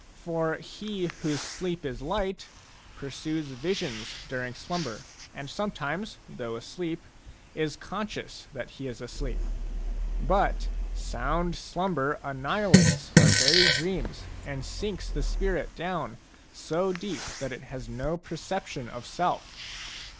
For he whose sleep is light pursues visions during slumber, and sometimes, though asleep, is conscious that he is asleep ; but sound slumber annihilates our very dreams and sinks the spirit down so deep that it has no perception of self.